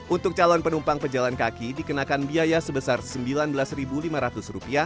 untuk calon penumpang pejalan kaki dikenakan biaya sebesar rp sembilan belas lima ratus